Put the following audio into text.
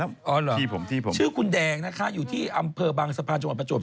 อ๋อเหรอที่ผมที่ผมชื่อคุณแดงนะคะอยู่ที่อำเภอบางสะพานจังหวัดประจวบ